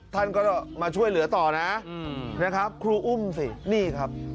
ท่านก็มาช่วยเหลือต่อนะนะครับครูอุ้มสินี่ครับ